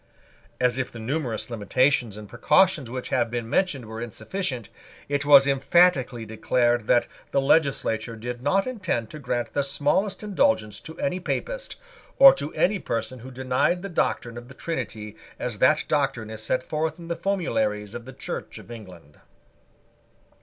As if the numerous limitations and precautions which have been mentioned were insufficient, it was emphatically declared that the legislature did not intend to grant the smallest indulgence to any Papist, or to any person who denied the doctrine of the Trinity as that doctrine is set forth in the formularies of the Church of England.